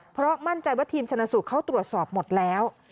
เพราะมั่นใจว่าทีมชนะสูตรเข้าตรวจสอบหมดแล้ว